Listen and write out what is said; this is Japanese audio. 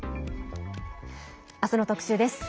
明日の特集です。